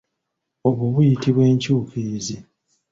Obwo buyitibwa enkyukirizi.